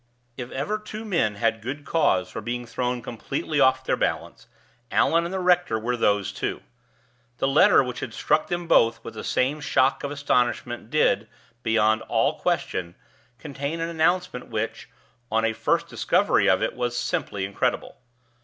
If ever two men had good cause for being thrown completely off their balance, Allan and the rector were those two. The letter which had struck them both with the same shock of astonishment did, beyond all question, contain an announcement which, on a first discovery of it, was simply incredible.